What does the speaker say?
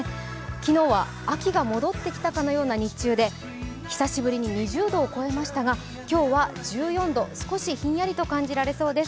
昨日は秋が戻ってきたかのような日中で久しぶりに２０度を超えましたが今日は１４度、少しひんやりと感じられそうです。